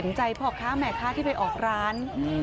ตอนนี้ก็ไม่มีอัศวินทรีย์ที่สุดขึ้นแต่ก็ไม่มีอัศวินทรีย์ที่สุดขึ้น